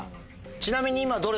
ちなみに。